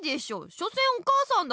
しょせんお母さんだもん。